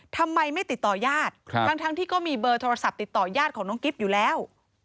ทำไมไม่ติดต่อยาดทั้งที่ก็มีเบอร์โทรศัพท์ติดต่อยาดของน้องกิ๊บอยู่แล้ว